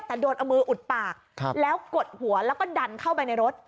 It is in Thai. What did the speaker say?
แต่โดนเอามืออุดปากแล้วกดหัวแล้วก็ดันเข้าไปในรถ